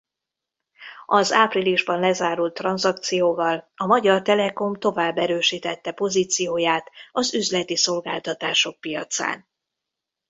Az áprilisban lezárult tranzakcióval a Magyar Telekom tovább erősítette pozícióját az üzleti szolgáltatások piacán.